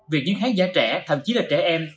việc những khán giả trẻ thậm chí là trẻ em